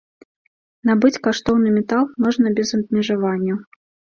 Набыць каштоўны метал можна без абмежаванняў.